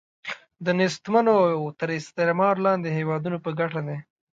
د نېستمنو او تر استعمار لاندې هیوادونو په ګټه دی.